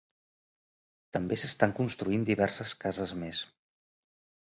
També s'estan construint diverses cases més.